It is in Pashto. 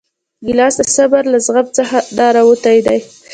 ګیلاس د صبر له زغم نه راوتی دی.